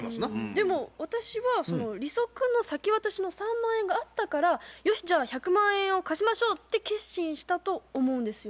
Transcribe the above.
でも私はその利息の先渡しの３万円があったから「よしじゃあ１００万円を貸しましょう」って決心したと思うんですよ。